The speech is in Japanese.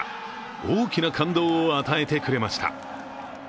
大きな感動を与えてくれました。